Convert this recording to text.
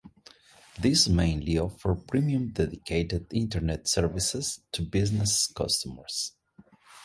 These mainly offer premium dedicated internet services to business customers.